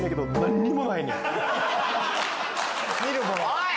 おい